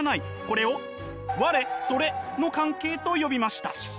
これを「我−それ」の関係と呼びました。